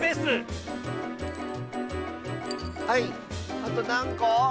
あとなんこ？